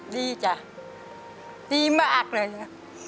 ดีจ้ะดีมากเลยนะ